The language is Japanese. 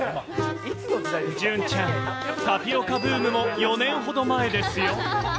隼ちゃん、タピオカブームも４年ほど前ですよ。